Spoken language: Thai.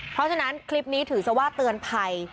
เพราะฉะนั้นคลิปนี้ถือซะว่าเตือนภัย